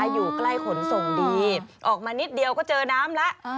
อยู่ใกล้ขนส่งดีออกมานิดเดียวก็เจอน้ำแล้ว